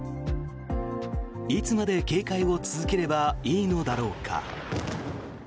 いつまで警戒を続ければいいのだろうか。